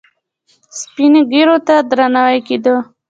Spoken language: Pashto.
سپین ږیرو ته درناوی کیده